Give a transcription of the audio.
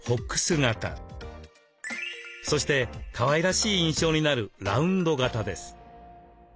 そしてかわいらしい印象になるラウンド型です。